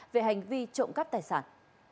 về hành vi trộm cắp tài sản